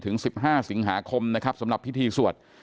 ถึงสิบห้าสิงหาคมนะครับสำหรับพิธีสวด